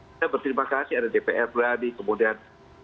saya berterima kasih ada dpr berhadi kemudian